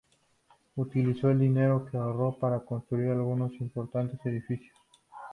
Utilizó el dinero que ahorró para construir algunos importantes edificios.